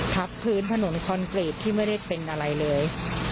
ทับพื้นถนนคอนกรีตที่ไม่ได้เป็นอะไรเลย